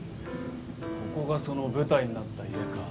ここがその舞台になった家か。